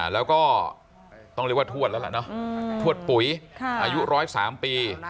แล้วก็ต้องเรียกว่าทวดแล้วล่ะเนาะทวดปุ๋ยอายุ๑๐๓ปี